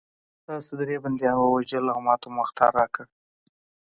تاسې درې بندیان ووژل او ماته مو اخطار راکړ